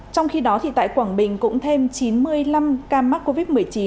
trong khi đó tại quảng bình cũng thêm chín mươi năm ca mắc covid một mươi chín